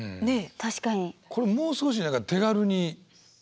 確かに。